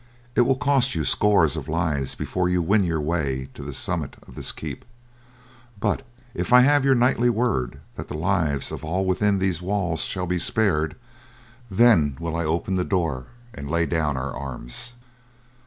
It will cost you scores of lives before you win your way to the summit of this keep; but if I have your knightly word that the lives of all within these walls shall be spared, then will I open the door and lay down our arms."